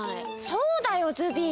そうだよズビー。